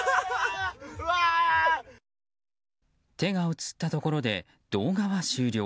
手が映ったところで動画は終了。